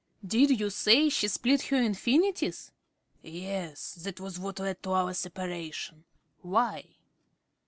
Did you say she split her infinitives? ~Smith.~ Yes. That was what led to our separation. Why?